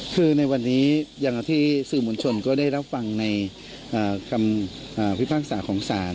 คือในวันนี้อย่างที่สื่อมวลชนก็ได้รับฟังในคำพิพากษาของศาล